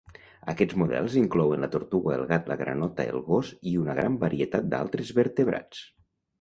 Aquests models inclouen la tortuga, el gat, la granota, el gos i una gran varietat d'altres vertebrats.